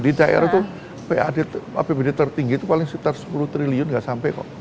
di daerah itu pad apbd tertinggi itu paling sekitar sepuluh triliun nggak sampai kok